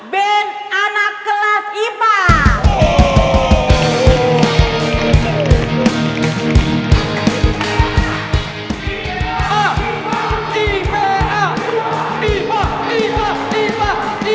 band anak kelas ipa